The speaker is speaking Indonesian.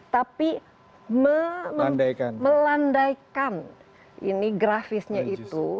tapi melandaikan grafisnya itu